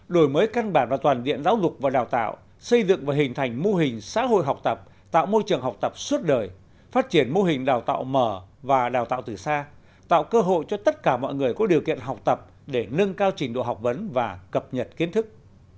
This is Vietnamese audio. đổi mới căn bản và toàn diện giáo dục và đào tạo xây dựng và hình thành mô hình xã hội học tập tạo môi trường học tập suốt đời phát triển mô hình đào tạo mở và đào tạo từ xa tạo cơ hội cho tất cả mọi người có điều kiện học tập để nâng cao trình độ học vấn và cập nhật kiến thức